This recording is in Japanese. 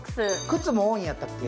靴も多いんやったっけ。